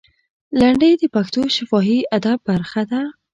لنډۍ د پښتو شفاهي ادب برخه ده.